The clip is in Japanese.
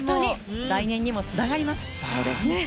来年にもつながります。